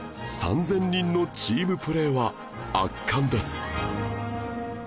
３０００人のチームプレーは圧巻です